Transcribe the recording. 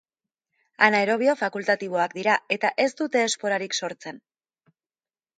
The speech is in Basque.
Anaerobio fakultatiboak dira eta ez dute esporarik sortzen.